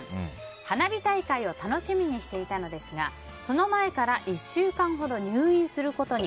花火大会を楽しみにしていたのですがその前から１週間ほど入院することに。